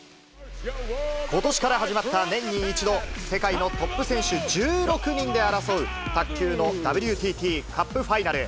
ことしから始まった年に一度、世界のトップ選手１６人で争う卓球のＷＴＴカップファイナル。